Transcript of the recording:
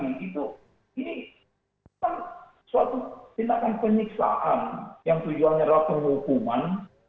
ini kan suatu tindakan penyiksaan yang tujuannya ratu hukuman